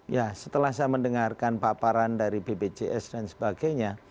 ya setelah saya mendengarkan paparan dari bpjs dan sebagainya